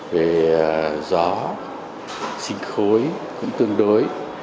về gió sinh khối cũng tương đối